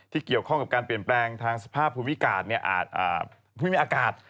ที่เกี่ยวข้องกับการเปลี่ยนแปลงทางสภาพภูมิอากาศ